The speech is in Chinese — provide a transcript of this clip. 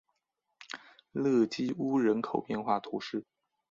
勒基乌人口变化图示